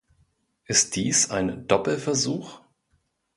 Ist dies ein Doppelversuch?